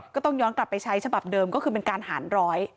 ก็ต้องย้อนกลับไปใช้ฉบับเดิมก็คือเป็นการหารร้อย